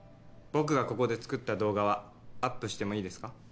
僕がここで作った動画はアップしてもいいですか？